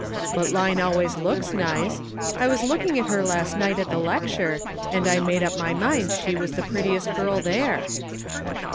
"But Line always looks nice. I was looking at her last night at the lecture, and I made up my mind she was the prettiest girl there."